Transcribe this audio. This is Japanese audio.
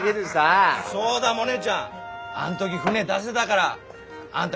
そうだモネちゃんあん時船出せだがらあんだ